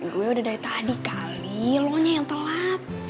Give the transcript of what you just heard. gue udah dari tadi kali lo nya yang telat